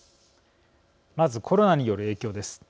まずコロナによる影響です。